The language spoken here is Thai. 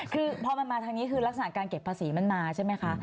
คือพอมันมาทางนี้คือลักษณะการเก็บภาษีมันมาใช่ไหมคะ